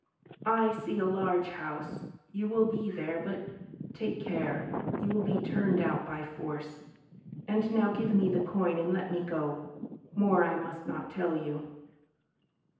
"I see a large house; you will be there, but take care; you will be turned out by force.... And now give me the coin and let me go. More I must not tell you."